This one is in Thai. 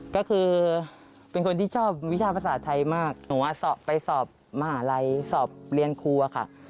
ก็คือเป็นคนที่ชอบวิชาภาษาไทยมากหนูไปสอบมหาลัยสอบเรียนครูอะค่ะ